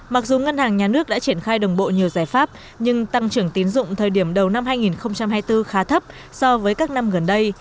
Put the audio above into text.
mặc dù ngân hàng nhà nước đã triển khai đồng bộ nhiều giải pháp nhưng tăng trưởng tín dụng thời điểm đầu năm hai nghìn hai mươi bốn khá thấp so với các năm gần đây